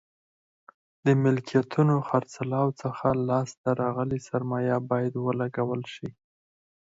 د ملکیتونو خرڅلاو څخه لاس ته راغلې سرمایه باید ولګول شي.